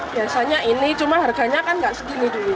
biasanya ini cuma harganya kan nggak segini dulu